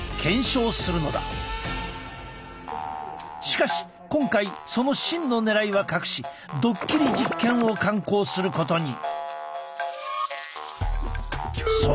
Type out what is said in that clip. しかし今回その真のねらいは隠しドッキリ実験を敢行することに！